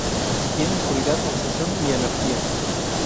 Tiene oscuridad, obsesión y energía".